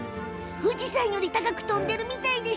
富士山より高く飛んでるみたい！